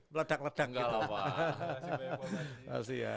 terima kasih pak marji